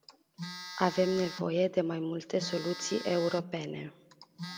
Avem nevoie de mai multe soluții europene.